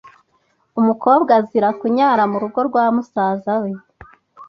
Umukobwa azira kunyara mu rugo rwa musaza we